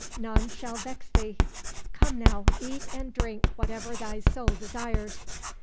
None shall vex thee. Come now, eat and drink whatever thy soul desires."